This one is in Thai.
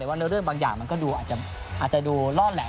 แต่ว่าเนื้อเรื่องบางอย่างมันก็ดูอาจจะดูล่อแหลม